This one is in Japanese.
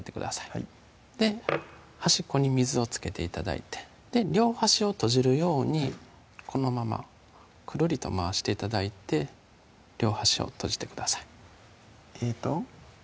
はい端っこに水を付けて頂いて両端を閉じるようにこのままくるりと回して頂いて両端を閉じてくださいえっと？